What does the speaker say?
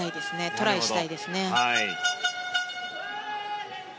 トライしたいですね。